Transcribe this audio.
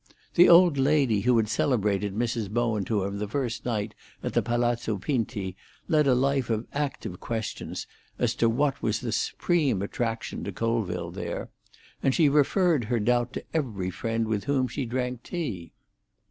The old lady who had celebrated Mrs. Bowen to him the first night at Palazzo Pinti led a life of active questions as to what was the supreme attraction to Colville there, and she referred her doubt to every friend with whom she drank tea.